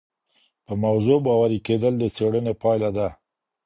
په موضوع باوري کيدل د څېړني پایله ده.